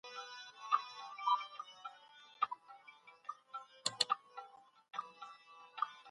نوموړی د تمدن د انګړ په اړه هم خبري کوي.